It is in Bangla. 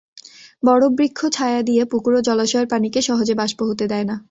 বড় বৃক্ষ ছায়া দিয়ে পুকুর ও জলাশয়ের পানিকে সহজে বাষ্প হতে দেয় না।